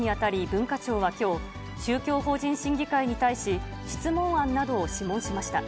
文化庁はきょう、宗教法人審議会に対し、質問案などを諮問しました。